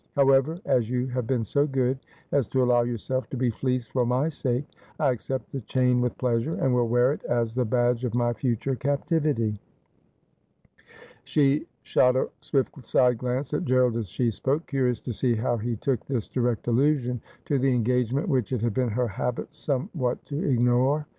However, as you have been so good as to allow yourself to be fleeced for my sake, I accept the chain with pleasure, and will wear it as the badge of my future captivity.' She shot a swift side glance at Gerald as she spoke, curious to see how he took this direct allusion to an engagement which it had been her habit somewhat to ignore.